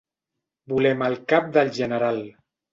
Volem el cap del general.